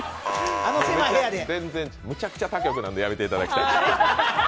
むちゃくちゃ他局なのでやめていただきたい。